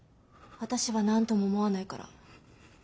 私は何とも思わないから。